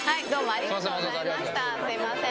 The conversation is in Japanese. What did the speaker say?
ありがとうございます。